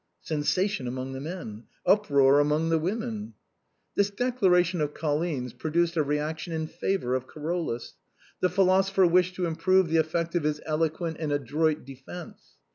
[Sensation among the men; uproar among the women.] This declaration of Colline's produced a reaction in favor of Carolus. The philosopher wished to improve the effect of his eloquent and adroit defence.